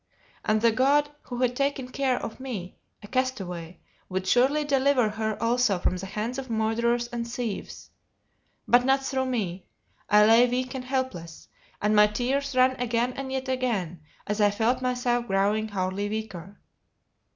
And the God who had taken care o me, a castaway, would surely deliver her also from the hands of murderers and thieves. But not through me I lay weak and helpless and my tears ran again and yet again as I felt myself growing hourly weaker.